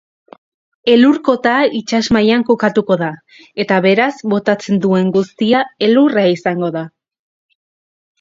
Elur-kota itsasmailan kokatuko da eta beraz, botatzen duen guztia elurra izango da.